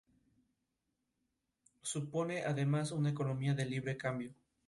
Supone, además, una economía de libre cambio.